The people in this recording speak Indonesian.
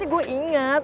tunggu aku inget